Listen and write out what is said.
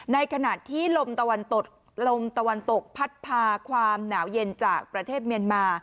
ในขณะที่ลมตะวันตกลมตะวันตกพัดพาความหนาวเย็นจากประเทศเมียนมา